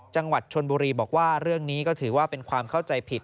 จังหวัดชนบุรีบอกว่าเรื่องนี้ก็ถือว่าเป็นความเข้าใจผิด